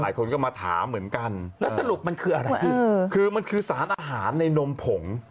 หลายคนก็มาถามเหมือนกันแล้วสรุปมันคืออะไรคือมันคือสารอาหารในนมผง